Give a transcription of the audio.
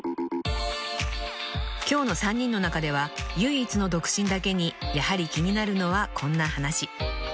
［今日の３人の中では唯一の独身だけにやはり気になるのはこんな話］